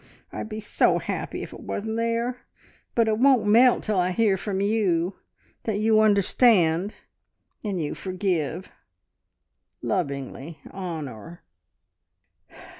I'd be so happy if it wasn't there. But it won't melt till I hear from you, that you understand, and you forgive! "Lovingly, Honor."